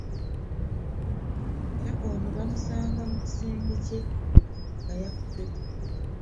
Era ono baamusanga mu kisenge kye nga yafudde dda.